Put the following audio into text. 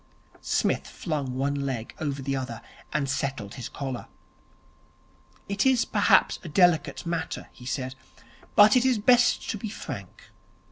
Psmith flung one leg over the other, and settled his collar. 'It is perhaps a delicate matter,' he said, 'but it is best to be frank.